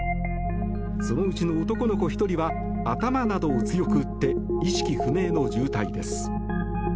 そのうちの男の子１人は頭などを強く打って意識不明の重体です。